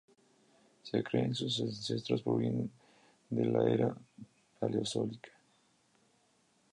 Se cree que sus ancestros provienen de la era Paleozoica.